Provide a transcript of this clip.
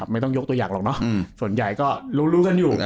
ไม่ต้องยกตัวอย่างหรอกเนอะส่วนใหญ่ก็รู้กันอยู่